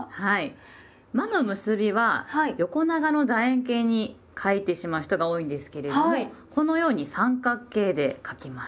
「ま」の結びは横長のだ円形に書いてしまう人が多いんですけれどもこのように三角形で書きます。